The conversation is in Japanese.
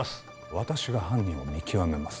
私が犯人を見極めます